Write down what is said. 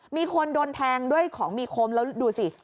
มีคนโดนแทงด้วยของมีคมแล้วดูสิ